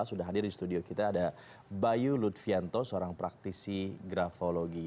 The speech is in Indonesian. sudah hadir di studio kita ada bayu lutfianto seorang praktisi grafologi